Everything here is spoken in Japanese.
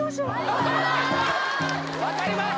分かります！